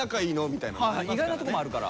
意外なとこもあるから。